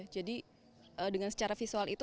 jadi dengan secara visual itu